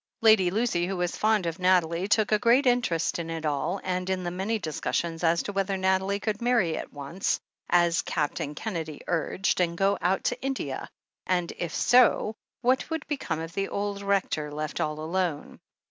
Lady Lucy, who was fond of Nathalie, took a great interest in it all and in the many discussions as to whether Nathalie could marry at once, as Captain Kennedy urged, and go out to India, and, if so, what would become of the old Rector left all alone.